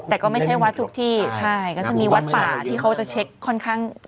แต่ก็ไม่ใช่วัดทุกที่ใช่ก็จะมีวัดป่าที่เขาจะเช็คค่อนข้าง